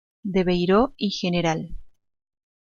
De Beiró y Gral.